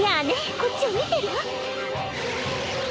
こっちを見てるわ。